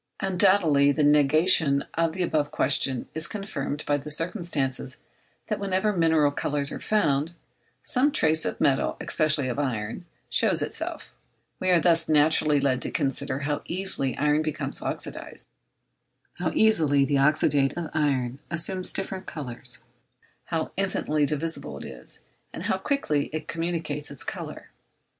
Undoubtedly the negation of the above question is confirmed by the circumstance that wherever mineral colours are found, some trace of metal, especially of iron, shows itself; we are thus naturally led to consider how easily iron becomes oxydised, how easily the oxyde of iron assumes different colours, how infinitely divisible it is, and how quickly it communicates its colour.